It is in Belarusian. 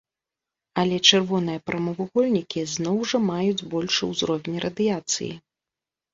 Але чырвоныя прамавугольнікі зноў жа маюць большы ўзровень радыяцыі.